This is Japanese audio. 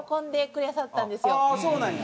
ああそうなんや。